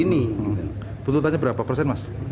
ini tuntutannya berapa persen mas